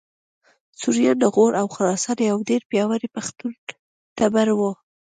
سوریان د غور او خراسان یو ډېر پیاوړی پښتون ټبر و